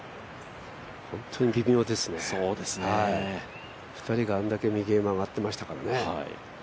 本当に微妙ですね、２人があれだけ右へ曲がってましたからね。